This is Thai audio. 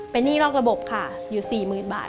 เป็นหนี้นอกระบบค่ะอยู่๔๐๐๐บาท